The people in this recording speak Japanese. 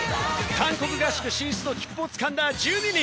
韓国合宿進出の切符を掴んだ１２人。